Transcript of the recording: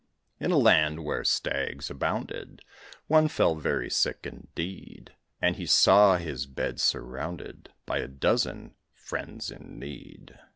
In a land where stags abounded, One fell very sick indeed; And he saw his bed surrounded By a dozen "friends in need."